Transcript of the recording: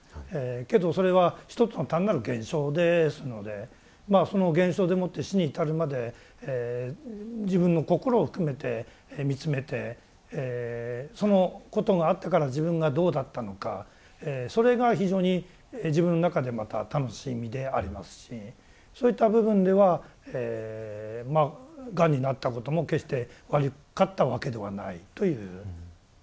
けどそれは一つの単なる現象ですのでその現象でもって死に至るまで自分の心を含めて見つめてそのことがあったから自分がどうだったのかそれが非常に自分の中でまた楽しみでありますしそういった部分ではがんになったことも決して悪かったわけではないという。